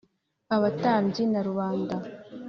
abatambyi na rubanda